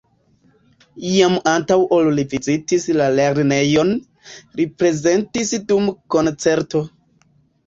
Jam antaŭ ol li vizitis la lernejon, li prezentis dum koncerto.